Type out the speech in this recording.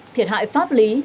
thiệt hại pháp lý